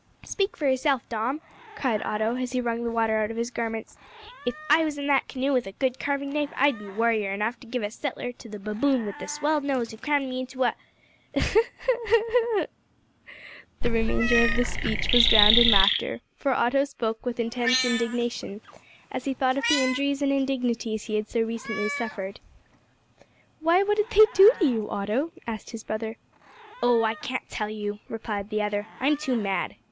"Speak for yourself, Dom," cried Otto, as he wrung the water out of his garments. "If I was in that canoe with a good carving knife, I'd be warrior enough to give a settler to the baboon wi' the swelled nose who crammed me into a " The remainder of the speech was drowned in laughter, for Otto spoke with intense indignation, as he thought of the injuries and indignities he had so recently suffered. "Why, what did they do to you, Otto?" asked his brother. "Oh! I can't tell you," replied the other; "I'm too mad.